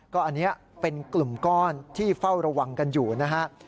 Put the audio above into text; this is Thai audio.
ก็อันนี้เป็นกลุ่มก้อนที่เฝ้าระวังกันอยู่นะฮะ